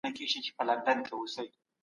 د دغې غونډې تالار ډېر لوی او صفا دی.